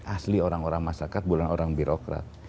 asli orang orang masyarakat bukan orang birokrat